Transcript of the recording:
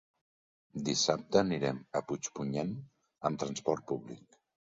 Dissabte anirem a Puigpunyent amb transport públic.